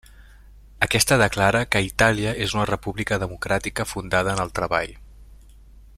Aquesta declara que Itàlia és una República democràtica fundada en el treball.